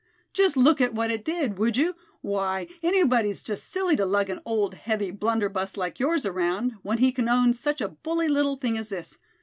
"Just look at what it did, would you? Why, anybody's just silly to lug an old heavy blunderbuss like yours around, when he c'n own such a bully little thing at this.